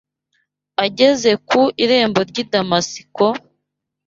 Ageze ku irembo ry’i Damasiko,